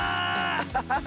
アハハハ！